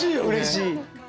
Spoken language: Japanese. うれしい。